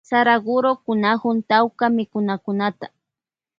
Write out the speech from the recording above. Saraguro kunakuy tawka mikunakunata.